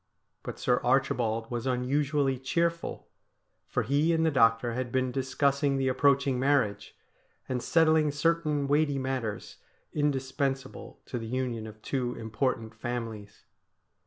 But Sir Archibald was unusually cheerful, for he and the doctor had been discussing the approaching marriage, and settling certain weighty matters indispensable to the union of two important families.